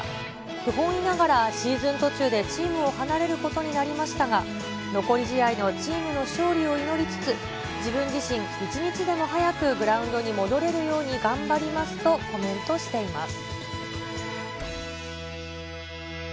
不本意ながらシーズン途中でチームを離れることになりましたが、残り試合のチームの勝利を祈りつつ、自分自身、一日でも早く、グラウンドに戻れるように頑張りますとコメントしています。